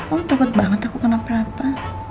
oh takut banget aku kenapa apa